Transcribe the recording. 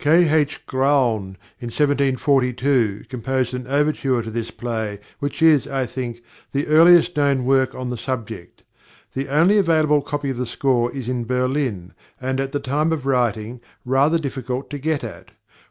+K. H. Graun+ in 1742 composed an overture to this play which is, I think, the earliest known work on the subject. The only available copy of the score is in Berlin, and, at the time of writing, rather difficult to get at.